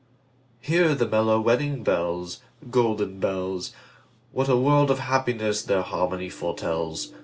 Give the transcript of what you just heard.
Hear the mellow wedding bells, Golden bells! What a world of happiness their harmony foretells!